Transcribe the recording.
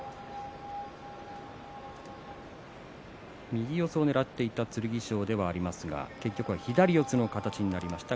右四つをねらっていった剣翔ではありますが結局は左四つの形になりました。